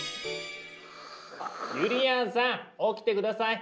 ゆりやんさん起きて下さい！